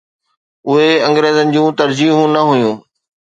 اهي انگريزن جون ترجيحون نه هيون.